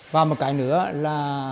và một cái nữa là